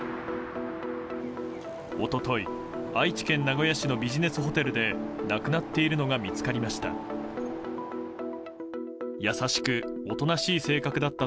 一昨日、愛知県名古屋市のビジネスホテルで亡くなっているのが見つかりました。